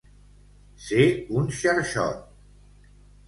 Ser un xarxot.